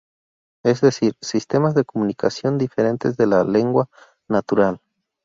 Es decir, sistemas de comunicación diferentes de la lengua natural.